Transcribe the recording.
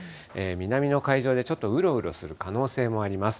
南の海上でちょっとうろうろする可能性もあります。